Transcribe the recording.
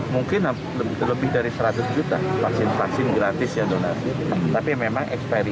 mencari negara yang mencari negara yang mencari negara yang mencari negara yang mencari